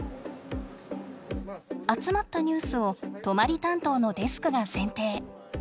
集まったニュースを泊まり担当のデスクが選定。